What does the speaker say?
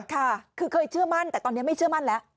ค่ะคือเคยเชื่อมั่นแต่ตอนนี้ไม่เชื่อมั่นแล้ว